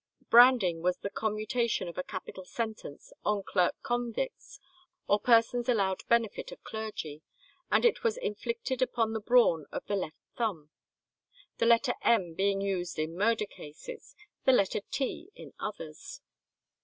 Branding was the commutation of a capital sentence on clerk convicts, or persons allowed benefit of clergy, and it was inflicted upon the brawn of the left thumb, the letter M being used in murder cases, the letter T in others.